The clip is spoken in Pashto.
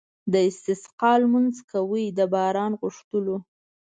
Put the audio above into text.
د استسقا لمونځ کوي د باران غوښتلو.